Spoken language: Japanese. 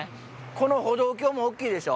この歩道橋も大っきいでしょ。